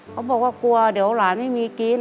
เขาบอกว่ากลัวเดี๋ยวหลานไม่มีกิน